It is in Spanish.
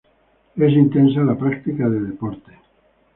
Es intensa la práctica de deportes.